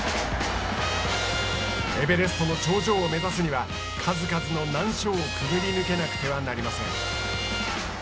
エベレストの頂上を目指すには数々の難所をくぐり抜けなくてはなりません。